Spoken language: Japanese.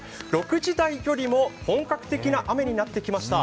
６時台よりも本格的な雨になってきました。